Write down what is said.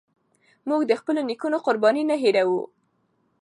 موږ د خپلو نيکونو قربانۍ نه هيروو.